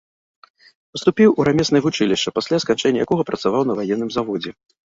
Паступіў у рамеснае вучылішча, пасля сканчэння якога працаваў на ваенным заводзе.